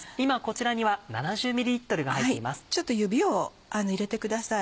ちょっと指を入れてください。